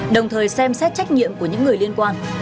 đồng thời xem xét trách nhiệm của những người liên quan